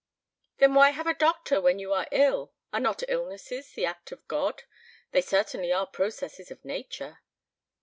"Then why have a doctor when you are ill? Are not illnesses the act of God? They certainly are processes of nature."